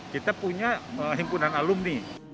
kita punya himpunan alumni